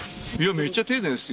めちゃ丁寧ですよ。